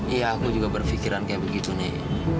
iya aku juga berpikiran kayak begitu nih